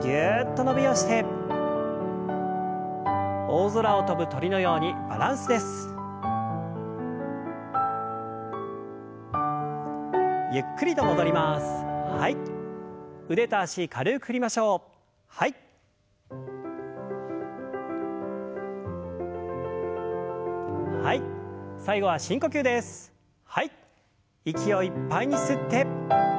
息をいっぱいに吸って。